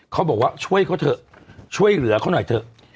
เขาบอกว่าช่วยเขาเถอะช่วยเหลือเขาหน่อยเถอะ